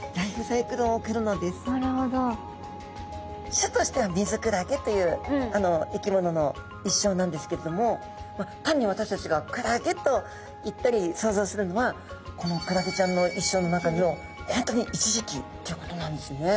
種としてはミズクラゲという生き物の一生なんですけれども単に私たちがクラゲといったり想像するのはこのクラゲちゃんの一生の中の本当に一時期ということなんですね。